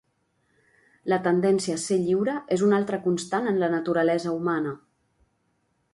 La tendència a ser lliure és una altra constant en la naturalesa humana.